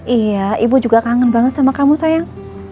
iya ibu juga kangen banget sama kamu sayang